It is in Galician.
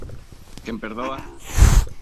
Quen perdoa...